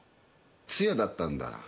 通夜だったんだ。